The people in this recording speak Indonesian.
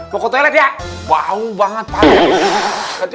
mau ke toilet ya bau banget padel ini